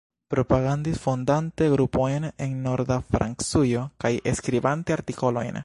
Propagandis fondante grupojn en Norda Francujo kaj skribante artikolojn.